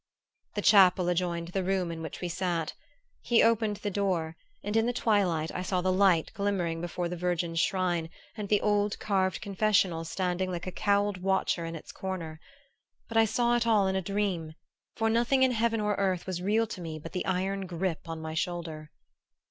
The chapel adjoined the room in which we sat. He opened the door, and in the twilight I saw the light glimmering before the Virgin's shrine and the old carved confessional standing like a cowled watcher in its corner. But I saw it all in a dream; for nothing in heaven or earth was real to me but the iron grip on my shoulder.